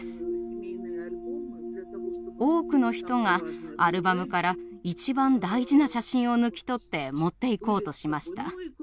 多くの人がアルバムから一番大事な写真を抜き取って持っていこうとしました。